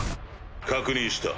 確認した。